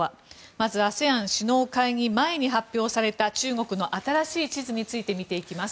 まずＡＳＥＡＮ首脳会議前に発表された中国の新しい地図について見ていきます。